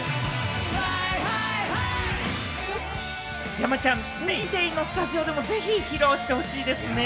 山ちゃん、『ＤａｙＤａｙ．』のスタジオでもぜひ披露してほしいですよね。